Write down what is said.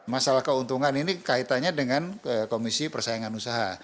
masalah keuntungan ini kaitannya dengan komisi persaingan usaha